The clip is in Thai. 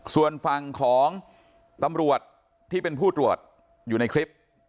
ส่วนฝั่งของตำรวจที่เป็นผู้ตรวจอยู่ในคลิป